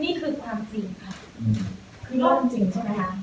นี่คือความจริงค่ะคือโล่งจริงใช่ไหมคะ